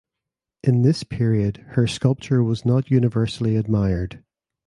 In this period her sculpture was not universally admired.